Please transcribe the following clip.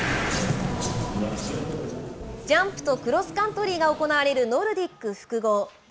ジャンプとクロスカントリーが行われるノルディック複合。